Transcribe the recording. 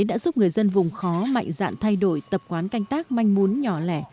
đã giúp người dân vùng khó mạnh dạn thay đổi tập quán canh tác manh mún nhỏ lẻ